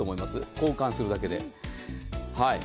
交換するだけで。